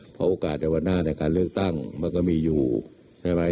เพราะโอกาสในวันหน้าในการเลือกตั้งมันก็มีอยู่ใช่ไหม